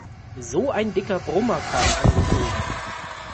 So ein dicker Brummer kam angeflogen.